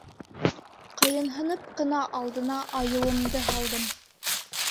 Ҡыйынһынып ҡына алдына айыуымды һалдым: